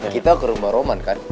kita ke rumah roman kan